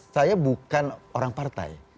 saya bukan orang partai